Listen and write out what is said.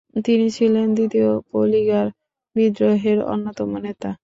তিনি ছিলেন দ্বিতীয় পলিগার বিদ্রোহের অন্যতম নেতা।